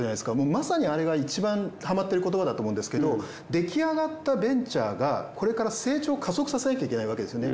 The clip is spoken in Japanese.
まさにあれがいちばんはまってる言葉だと思うんですけど出来上がったベンチャーがこれから成長を加速させなきゃいけないわけですよね。